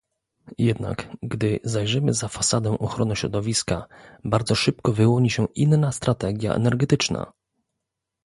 Jednak, gdy zajrzymy za fasadę ochrony środowiska bardzo szybko wyłoni się inna strategia energetyczna